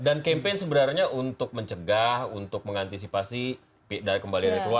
dan campaign sebenarnya untuk mencegah untuk mengantisipasi pindah kembali ke rumah